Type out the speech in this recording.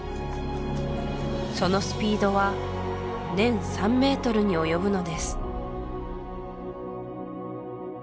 そのスピードは年３メートルに及ぶのです